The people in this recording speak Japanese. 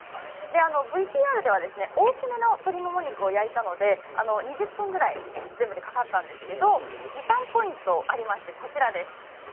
ＶＴＲでは大きめの鶏もも肉を焼いたので２０分ぐらい全部でかかったんですけど時短ポイントがあります。